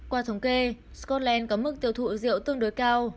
qua thống kê scotland có mức tiêu thụ rượu tương đối cao